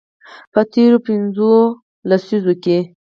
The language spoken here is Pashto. په تیرو پنځو لسیزو کې